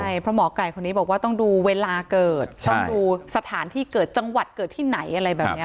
ใช่เพราะหมอไก่คนนี้บอกว่าต้องดูเวลาเกิดต้องดูสถานที่เกิดจังหวัดเกิดที่ไหนอะไรแบบนี้